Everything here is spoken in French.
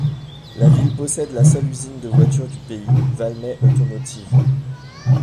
La ville possède la seule usine de voitures du pays Valmet Automotive.